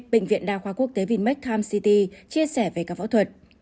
bệnh viện đa khoa quốc tế vinmec times city chia sẻ về các phẫu thuật